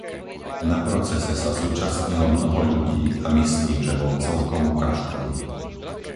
Na procese sa zúčastnilo mnoho ľudí a myslím, že bol celkom ukážkový.